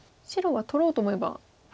白は取ろうと思えば。